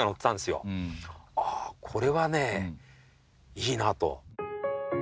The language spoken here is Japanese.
ああこれはねいいなと。